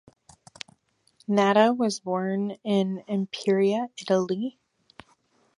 Natta was born in Imperia, Italy.